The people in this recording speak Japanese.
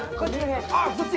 あっそっち？